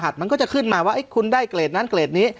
ใส่ชื่อใส่รหัส